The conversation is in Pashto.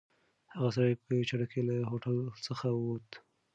هغه سړی په چټکۍ له هوټل څخه ووت.